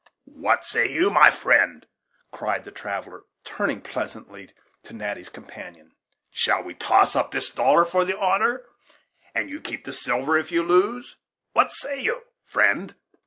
"What say you, my friend," cried the traveller, turning pleasantly to Natty's companion; "shall we toss up this dollar for the honor, and you keep the silver if you lose; what say you, friend?"